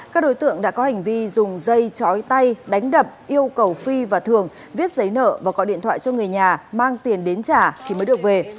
các đối tượng đã có hành vi dùng dây chói tay đánh đập yêu cầu phi và thường viết giấy nợ và gọi điện thoại cho người nhà mang tiền đến trả thì mới được về